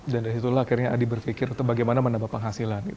dan dari itulah akhirnya adi berpikir bagaimana mendapatkan penghasilan gitu